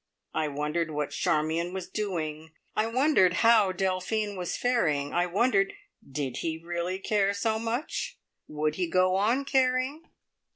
I wondered what Charmion was doing, I wondered how Delphine was faring, I wondered did he really care so much? Would he go on caring?